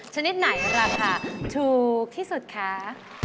ชนิดไหนราคาถูกที่สุดคะ